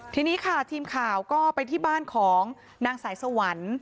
ทีนี้ค่ะทีมข่าวก็ไปที่บ้านของนางสายสวรรค์